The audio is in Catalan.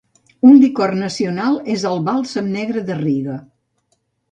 Un licor nacional és el bàlsam negre de Riga.